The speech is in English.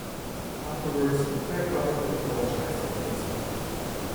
Afterwards the pair publicly apologised for the incident.